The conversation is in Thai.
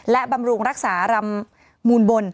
และบำรุงรักษารำมูลบน